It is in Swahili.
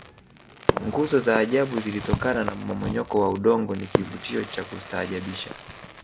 nguzo za ajabu zilizotokana na mmomonyoko wa udongo ni kivutio cha kustaajabisha